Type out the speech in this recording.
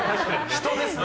人ですね。